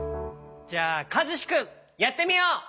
じゃあかずしくんやってみよう！